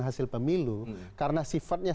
hasil pemilu karena sifatnya